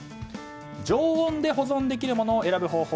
常温で保存できるものを選ぶ方法。